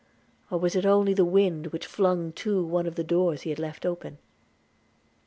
or was it only the wind which flung to one of the doors he had left open?